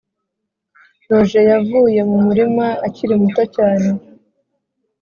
roger yavuye mu murima akiri muto cyane.